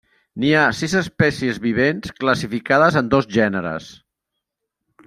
N'hi ha sis espècies vivents, classificades en dos gèneres.